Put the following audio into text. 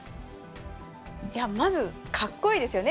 まず、かっこいいですよね